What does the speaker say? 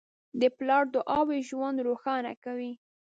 د پلار دعاوې ژوند روښانه کوي.